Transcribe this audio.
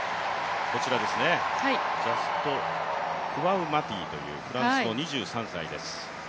ジャスト・クワウ・マティというフランスの２３歳です。